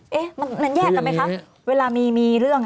มันแยกกันไหมครับเวลามีเรื่อง